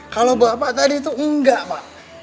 kalau bapak tadi itu enggak pak